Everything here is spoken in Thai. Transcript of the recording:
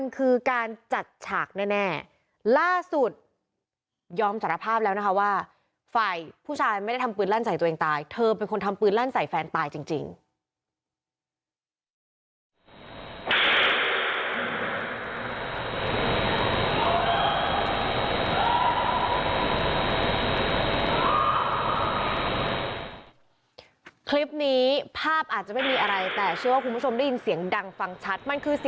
การจัดฉากแน่ล่าสุดยอมจรภาพแล้วนะคะว่าฝ่ายผู้ชายไม่ได้ทำปืนลั่นใส่ตัวเองตายเธอเป็นคนทำปืนลั่นใส่แฟนตายจริงคลิปนี้ภาพอาจจะไม่มีอะไรแต่เชื่อว่าคุณผู้ชมได้ยินเสียงดังฟังชัด